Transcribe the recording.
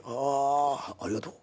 ありがとう。